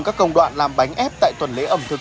các công đoạn làm bánh ép tại tuần lễ ẩm thực